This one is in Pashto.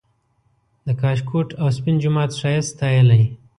د کاشکوټ او سپین جومات ښایست ستایلی